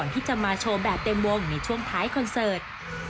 ที่จะมาโชว์แบบเต็มวงในช่วงท้ายคอนเสิร์ต